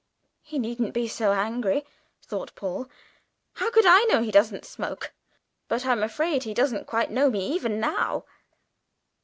"He needn't be so angry," thought Paul, "how could I know he doesn't smoke? But I'm afraid he doesn't quite know me, even now."